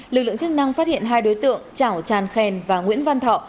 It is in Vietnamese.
lực lượng chức năng phát hiện hai đối tượng chảo tràn khen và nguyễn văn thọ